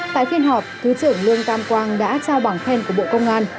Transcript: tại phiên họp thứ trưởng lương tam quang đã trao bằng khen của bộ công an